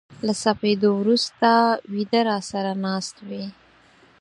له سپېدو ورو سته و يده را سره ناست وې